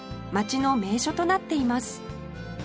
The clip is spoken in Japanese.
街の名所となっています